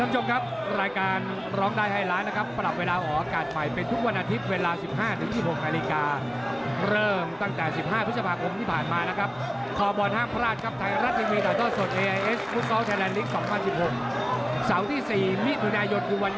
จับขึ้นมาเลยคู่ไหนเป็นคู่แอดได้หมดเลยมันเนี่ย